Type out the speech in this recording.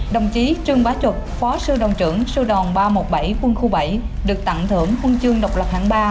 đồng chí trương bá trục phó sư đoàn trưởng sư đoàn ba trăm một mươi bảy quân khu bảy được tặng thưởng huân chương độc lập hạng ba